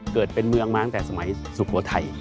เกิดเป็นเมืองมาตั้งแต่สมัยสุโขทัย